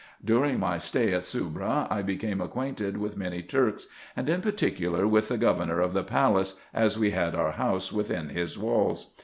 During my stay at Soubra I became aquainted with many Turks, and in particular with the governor of the palace, as we had our house within his Malls.